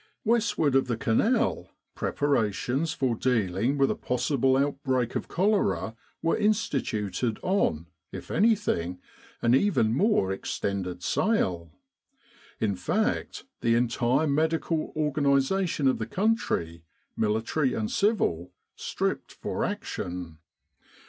Westward of the Canal, preparations for dealing with a possible outbreak of cholera were instituted on, if anything, an even more extended sale. In fact, the entire medical organisation of the country, military and civil, stripped for action.